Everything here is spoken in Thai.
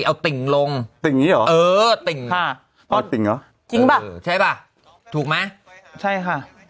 ติ่งจะติ่งลงติ่งที่หรอเออถึงฝาติ่นเนาะจริงว่าใช่ป่ะถูกไหมใช่ค่ะ